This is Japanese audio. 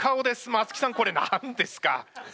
松木さんこれ何ですか？